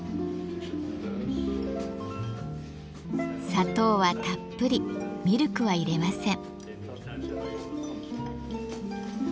砂糖はたっぷりミルクは入れません。